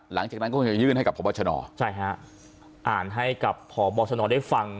หลังจากนั้นก็จะยื่นให้กับใช่ฮะอ่านให้กับได้ฟัง